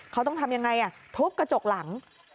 เขาต้องทำยังไงทุบกระจกหลัง